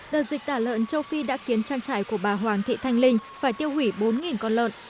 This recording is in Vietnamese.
đợt dịch tả lợn châu phi đã khiến trang trại của bà hoàng thị thanh linh phải tiêu hủy bốn con lợn